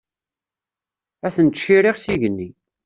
Ad ten-tciriɣ s yigenni.